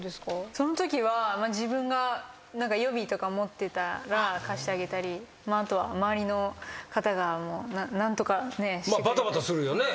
そのときは自分が予備とか持ってたら貸してあげたりあとは周りの方が何とか。バタバタするよね。